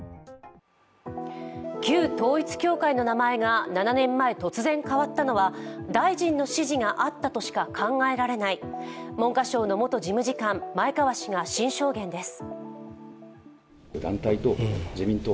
旧統一教会の名前が７年前突然変わったのは大臣の指示があったとしか考えられない、文科省の元事務次官・前川氏が新証言です。